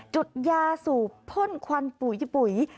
จุดยาสูบพ่นควันปุ๋ยปุ๋ย